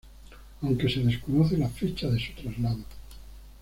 Aunque se desconoce la fecha de su traslado.